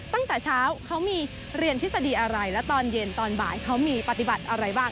ตั้งแต่เช้าเขามีเรียนทฤษฎีอะไรแล้วตอนเย็นตอนบ่ายเขามีปฏิบัติอะไรบ้าง